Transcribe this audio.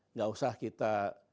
nggak usah kita